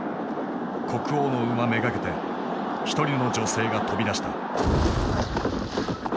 国王の馬目がけて１人の女性が飛び出した。